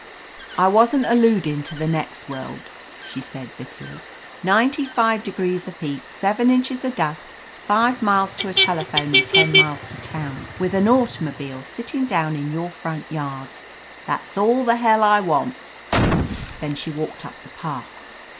"I wasn't alludin' to the next world," she said bitterly. "Ninety five degrees of heat, seven inches of dust, five miles to a telephone and ten miles to town, with an automobile sittin' down in your front yard — ^that's all the hell I want" Then she walked up the path.